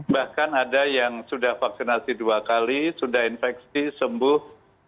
bahkan ada yang sudah vaksinasi dua kali sudah infeksi sembuh